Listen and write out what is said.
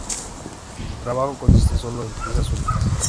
Su trabajo consiste sólo en piezas únicas.